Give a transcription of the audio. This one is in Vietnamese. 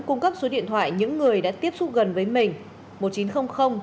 cung cấp số điện thoại những người đã tiếp xúc gần với mình